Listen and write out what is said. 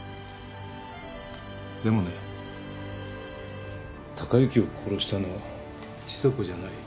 でもね貴之を殺したのは千沙子じゃない。